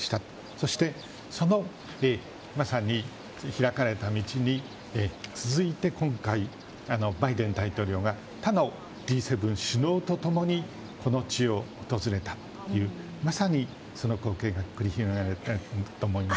そしてそのまさに開かれた道に続いて今回、バイデン大統領が他のＧ７首脳と共にこの地を訪れたというまさに、その光景が繰り広げられていると思います。